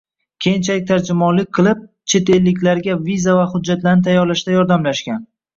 Keyinchalik tarjimonlik qilib, chet elliklarga viza va hujjatlarini tayyorlashda yordamlashgan.